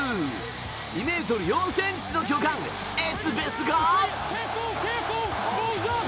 ２ｍ４ｃｍ の巨漢エツベスが。